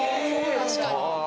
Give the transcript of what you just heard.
確かに。